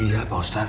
iya pak ustadz